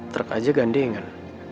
terk aja gandengan